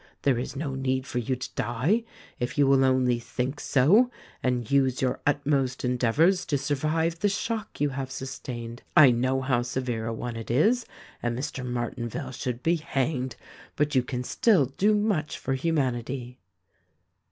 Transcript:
There is no need for you to die, if you will only think so and use your utmost endeavors to survive the shock you have sustained. I know how severe a one it is — and Mr. Martinvale should be hanged — but you can still do much for humanity."